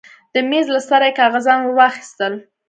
د مېز له سره يې کاغذان ورواخيستل.